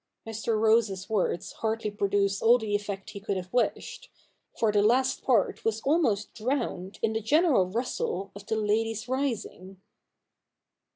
Mr. Rose's words hardly produced all the effect he could have wished ; for the last part was almost drowned in the general rustle of the ladies rising.